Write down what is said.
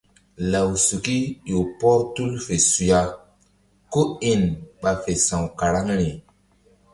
Lawsuki ƴo pɔr tul fe suya kó in ɓa fe sa̧w karaŋri.